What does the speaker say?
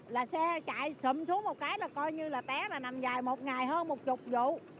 là xe chạy sụm xuống một cái là coi như là té là nằm dài một ngày hơn một chục vụ